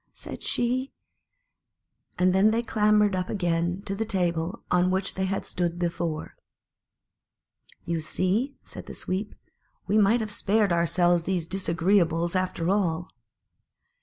said she; and then they clambered up again to the table on which they had stood before. "You see," said the Sweep, "we might have spared ourselves these disagreeables, after all."